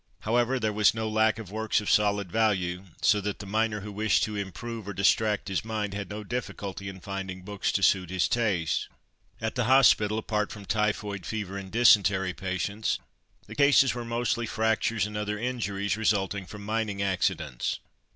However, there was no lack of works of solid value, so that the miner who wished to improve or distract his mind had no difficulty in finding books to suit his taste. At the hospital, apart from typhoid fever and dysentery patients, the cases were mostly fractures and other injuries resulting from mining accidents.